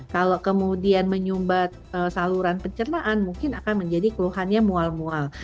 kalau kemudian menyumbat saluran pencernaan mungkin akan menjadi keluhannya mual mual